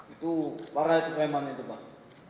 itu parah itu kremannya itu pak